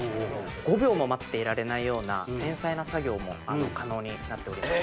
５秒も待っていられないような繊細な作業も可能になっております。